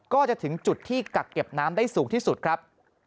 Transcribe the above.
ก็จะถึงจุดที่กักเก็บน้ำได้สูงที่สุดครับ